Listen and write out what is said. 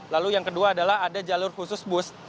lalu yang kedua adalah ada jalur khusus bus